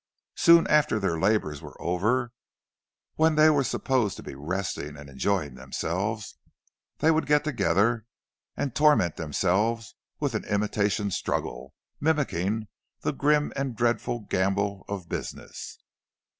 So after their labours were over, when they were supposed to be resting and enjoying themselves, they would get together and torment themselves with an imitation struggle, mimicking the grim and dreadful gamble of business.